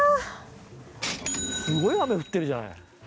すごい雨降ってるじゃない。